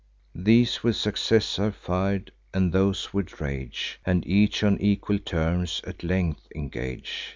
These with success are fir'd, and those with rage, And each on equal terms at length engage.